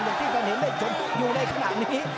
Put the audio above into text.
อย่างที่ท่านเห็นได้ชมอยู่ในขณะนี้